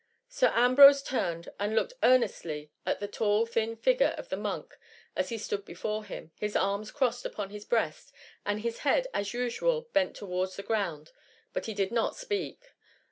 Sir Ambrose turned, and looked ear nestly at the tall thin figure of the monk as he stood before hitn, his arms crossed upon his breast, and his head, as usual, bent towards the ground, but he did not speak.